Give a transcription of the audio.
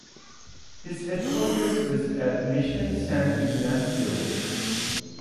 His headquarters was at Mission San Ignacio.